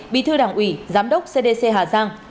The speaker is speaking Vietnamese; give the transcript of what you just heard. bi thư đảng ủy giám đốc cdc hà giang